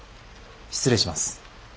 失礼します。